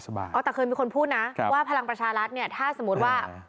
แต่เคยมีคนพูดนะว่าพลังประชารัฐเนี่ยถ้าสมมุติว่า